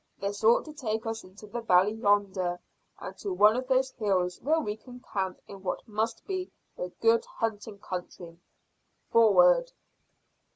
This ought to take us into the valley yonder and to one of those hills where we can camp in what must be a good hunting country. Forward!"